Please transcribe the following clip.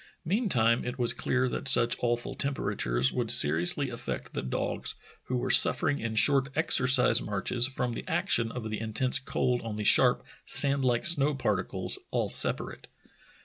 Meantime it was clear that such awful temperatures would seriously affect the dogs, who were suffering in short exercise marches from the action of the intense cold on the sharp, sand like snow particles — all sepa rate.